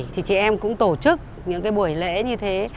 thì chị em cũng tổ chức những cái buổi lễ như thế